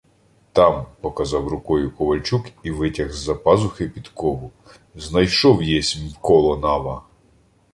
— Там, — показав рукою ковальчук і витяг з-за пазухи підкову. — Знайшов єсмь коло нава.